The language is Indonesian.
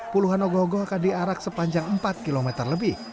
puluhan ogo ogo akan diarak sepanjang empat km lebih